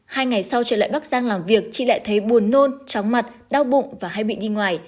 hai ngày sau trở lại bắc giang làm việc chị lại thấy buồn nôn chóng mặt đau bụng và hay bị đi ngoài